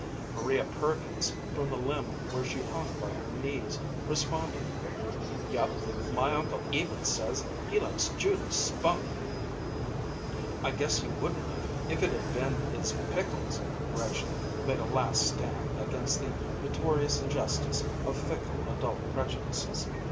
Maria Perkins, from the limb where she hung by her knees, responded, "Yup, my Uncle Eben says he likes Judy's spunk." "I guess he wouldn't have, if it'd ha' been his pickles!" Gretchen made a last stand against the notorious injustice of fickle adult prejudices.